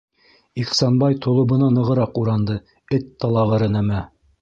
- Ихсанбай толобона нығыраҡ уранды, - эт талағыры нәмә!